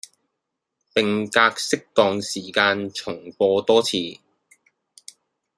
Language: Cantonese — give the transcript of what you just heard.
並隔適當時間重播多次